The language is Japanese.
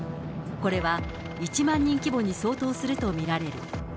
これは１万人規模に相当すると見られる。